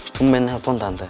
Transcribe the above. tunggu main helpon tante